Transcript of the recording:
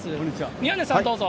宮根さん、どうぞ。